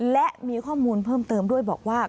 และมีข้อมูลเพิ่มเติมด้วยบอกว่า